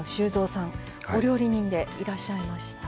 お料理人でいらっしゃいました。